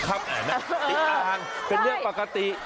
แต่ติดอ่างเป็นเรื่องปกติ